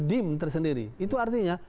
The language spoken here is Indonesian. dim tersendiri itu artinya